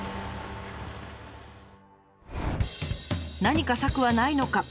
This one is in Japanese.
何か策はないのか？